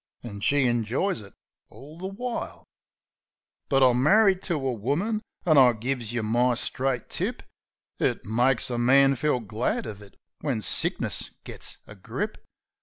An' she injoys it all the while ! But I'm marri'd to a woman; an', I gives yeh my straight tip, It makes a man feel glad uv it when sickness gits a grip.